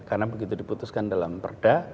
karena begitu diputuskan dalam perda